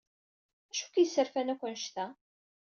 Acu k-yesserfan akk annect-a?